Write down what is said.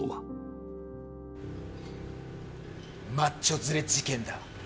マッチョズレ事件だ。